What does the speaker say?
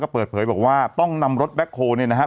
เปิดเผยบอกว่าต้องนำรถแบ็คโฮลเนี่ยนะฮะ